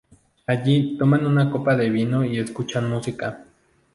Allí, toman una copa de vino y escuchan música.